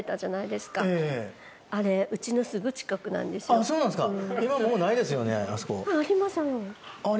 あぁそうなんですか。